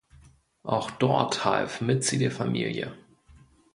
Auch dort half Mitzi der Familie.